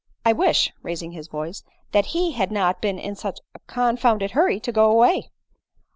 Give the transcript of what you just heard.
1 wish, (raising his voice) that he had not been in such a confounded hurry to go away."